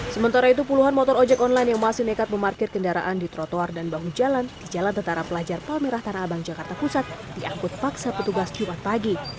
sementara itu puluhan motor ojek online yang masih nekat memarkir kendaraan di trotoar dan bahu jalan di jalan tetara pelajar palmerah tanah abang jakarta pusat diangkut paksa petugas jumat pagi